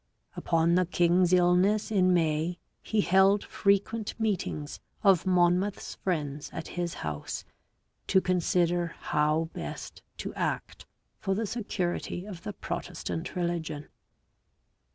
Upon the king's illness in May he held frequent meetings of Monmouth's friends at his house to consider how best to act for the security of the Protestant religion.